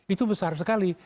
itu besar sekali